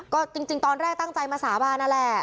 ก็จริงตอนแรกตั้งใจมาสาบานนั่นแหละ